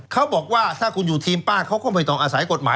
เขาบอกว่าถ้าคุณอยู่ทีมป้าเขาก็ไม่ต้องอาศัยกฎหมาย